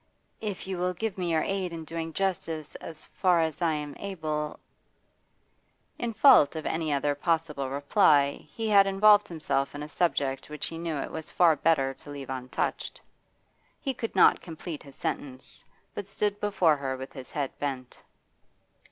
If you will give me your aid in doing justice as far as r am able ' In fault of any other possible reply he had involved himself in a subject which he knew it was far better to leave untouched. He could not complete his sentence, but stood before her with his head bent.